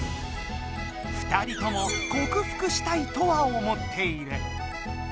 ２人ともこくふくしたいとは思っている。